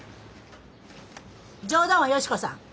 冗談はよし子さん。